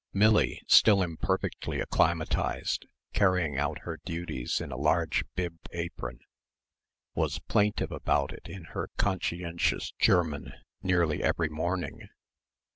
Millie, still imperfectly acclimatised, carrying out her duties in a large bibbed apron, was plaintive about it in her conscientious German nearly every morning.